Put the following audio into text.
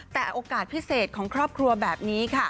แต่โอกาสพิเศษของครอบครัวแบบนี้ค่ะ